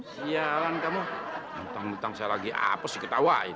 siaran kamu mentang mentang saya lagi apa sih ketawain